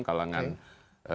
kalangan yang resisten